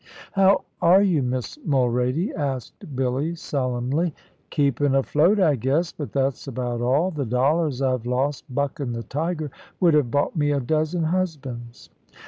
"How are you, Miss Mulrady?" asked Billy solemnly. "Keepin' afloat, I guess, but that's about all. The dollars I've lost buckin' the tiger would have bought me a dozen husbands."